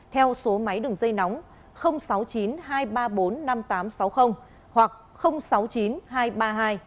theo số máy đường dây nóng sáu mươi chín hai trăm ba mươi bốn năm nghìn tám trăm sáu mươi hoặc sáu mươi chín hai trăm ba mươi hai một nghìn sáu trăm sáu mươi bảy hoặc cơ quan công an nơi gần nhất